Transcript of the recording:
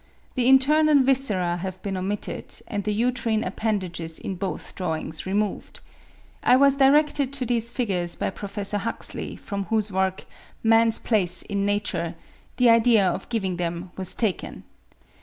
The internal viscera have been omitted, and the uterine appendages in both drawings removed. I was directed to these figures by Prof. Huxley, from whose work, 'Man's Place in Nature,' the idea of giving them was taken.